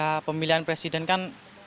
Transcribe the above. ya pemilihan presiden kan